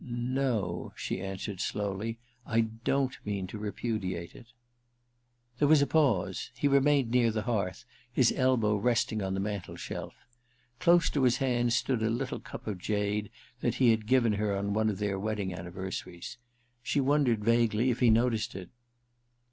* No,* she answered slowly, * I don*t mean to repudiate it/ There was a pause. He remained near the hearth, his elbow resting on the mantel shelf. Close to his hand stood a little cup of jade that he had given her on one of their wedding anniversaries. She wondered vaguely if he noticed it.